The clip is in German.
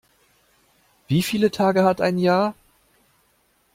Wie viele Tage hat ein Jahr?